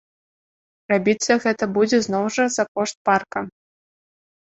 Рабіцца гэта будзе зноў жа за кошт парка.